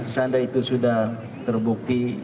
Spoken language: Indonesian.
seandainya itu sudah terbukti